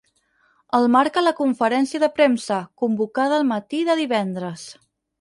El marca la conferència de premsa, convocada el matí de divendres.